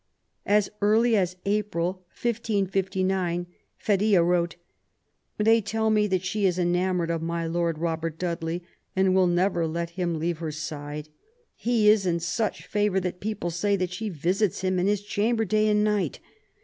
As early as April, 1559, Feria wrote :They tell me that she is enamoured of my Lord Robert Dudley and will never let him leave her side. He is in such favour that people say that she visits him in his chamber day and night.